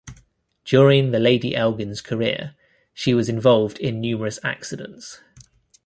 During the "Lady Elgin's" career she was involved in numerous accidents.